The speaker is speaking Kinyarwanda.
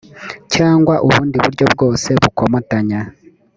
cyangwa ubundi buryo bwose bukomatanya